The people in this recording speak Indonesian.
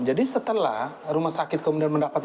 jadi setelah rumah sakit kemudian mendapat